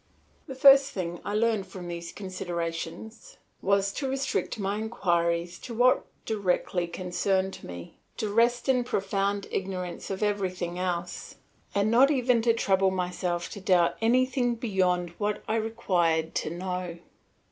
The first thing I learned from these considerations was to restrict my inquiries to what directly concerned myself, to rest in profound ignorance of everything else, and not even to trouble myself to doubt anything beyond what I required to know.